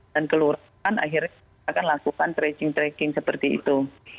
dan keluarga akan akhirnya lakukan tracing tracking seperti itu